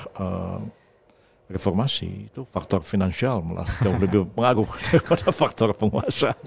tapi sesudah reformasi itu faktor finansial mulai jauh lebih berpengaruh daripada faktor penguasa